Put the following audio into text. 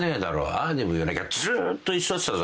ああでも言わなきゃずーっと居座ってたぞ